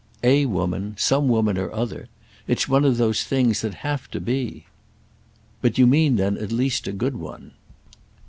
"A woman. Some woman or other. It's one of the things that have to be." "But you mean then at least a good one."